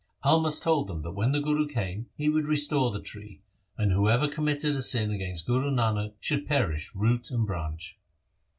Almast told them that when the Guru came, he would restore the tree, and whoever committed a sin against Guru Nanak should perish root and branch.